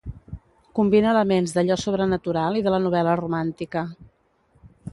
Combina elements d'allò sobrenatural i de la novel·la romàntica.